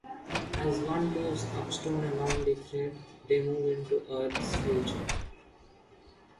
As one moves Upstone along the thread, they move into Earth's future.